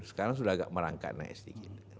sekarang sudah agak merangkak naik sedikit